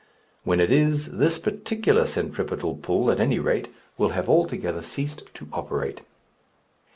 When it is, this particular centripetal pull, at any rate, will have altogether ceased to operate.